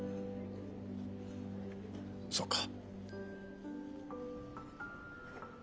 そうか。